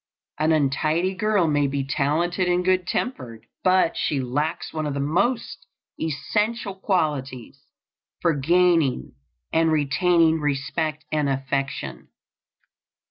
An untidy girl may be talented and good tempered, but she lacks one of the most essential qualities for gaining and retaining respect and affection.